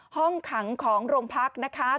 ห้องขังของโรงพักนะคะ